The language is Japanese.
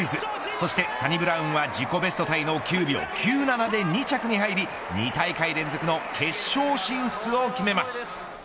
そして、サニブラウンは自己ベストタイの９秒９７で２着に入り２大会連続の決勝進出を決めます。